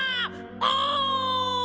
お！